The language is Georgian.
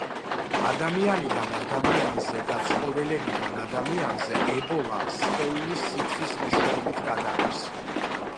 ადამიანიდან ადამიანზე და ცხოველებიდან ადამიანზე ებოლა სხეულის სითხის მეშვეობით გადადის.